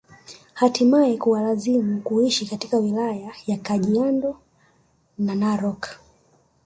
Hatimae kuwalazimu kuishi katika wilaya ya Kajiado na Narok